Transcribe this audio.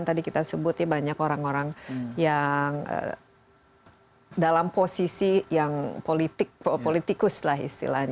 tadi kita sebut ya banyak orang orang yang dalam posisi yang politikus lah istilahnya